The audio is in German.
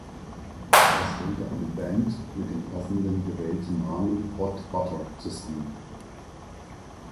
Er stellte eine Band mit dem passend gewählten Namen "Hot Butter" zusammen.